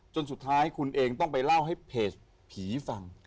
จนสุดท้ายคุณเองต้องไปเล่าให้เพจผีฟัง